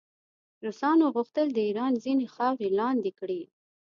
روسانو غوښتل د ایران ځینې خاورې لاندې کړي.